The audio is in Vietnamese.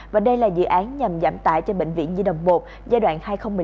và đây là dự án nhằm giảm tải cho bệnh viện nhi đồng một giai đoạn hai nghìn một mươi năm hai nghìn hai mươi